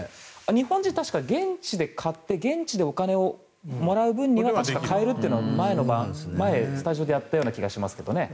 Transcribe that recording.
日本人は現地で買って現地でお金をもらう分には買えるというのは前にスタジオでやったような気がしますけどね。